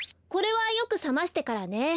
これはよくさましてからね。